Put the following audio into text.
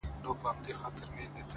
سیاه پوسي ده ـ افغانستان دی ـ